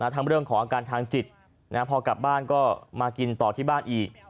ทั้งเรื่องของอาการทางจิตพอกลับบ้านก็มากินต่อที่บ้านอีก